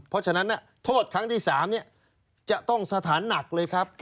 เพราะฉะนั้นโทษครั้งที่๓จะต้องสถานหนักเลยครับ